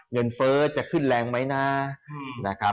เงินเพิร์ชจะขึ้นแรงไหมนะ